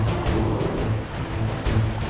nggak tahan selama ini